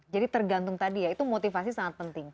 jadi tergantung tadi ya itu motivasi sangat penting